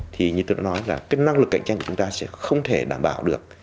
thì như tôi đã nói là năng lực cạnh tranh của chúng ta sẽ không thể đảm bảo được